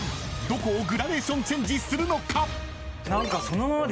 どこをグラデーションチェンジするのか？］